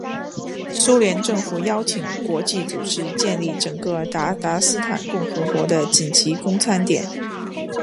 苏联政府邀请国际组织建立整个鞑靼斯坦共和国的紧急供餐点。